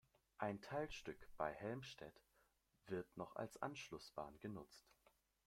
Ein Teilstück bei Helmstedt wird noch als Anschlussbahn genutzt.